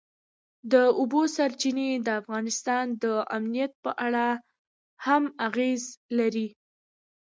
د اوبو سرچینې د افغانستان د امنیت په اړه هم اغېز لري.